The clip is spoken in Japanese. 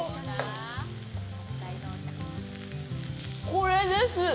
これです！